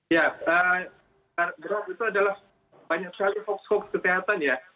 ya berat itu adalah banyak sekali hoaks hoaks kesehatan ya